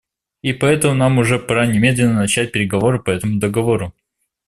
И поэтому нам уже пора немедленно начать переговоры по этому договору.